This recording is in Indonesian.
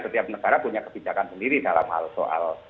setiap negara punya kebijakan sendiri dalam hal soal